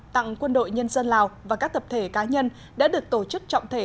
tặng quân đội nhân dân lào và các tập thể cá nhân đã được tổ chức trọng thể